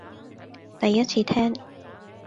第一次聽